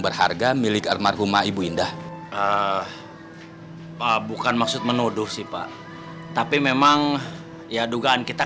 berharga milik almarhumah ibu indah bukan maksud menuduh sih pak tapi memang ya dugaan kita